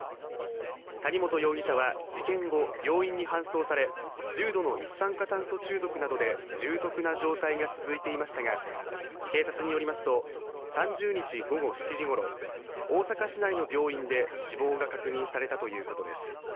谷本容疑者は事件後、病院に搬送され重度の一酸化炭素中毒などで重篤な状態が続いていましたが、警察によりますと、３０日午後７時ごろ、大阪市内の病院で死亡が確認されたということです。